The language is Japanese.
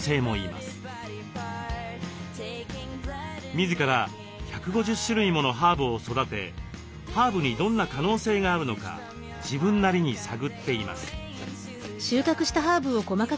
自ら１５０種類ものハーブを育てハーブにどんな可能性があるのか自分なりに探っています。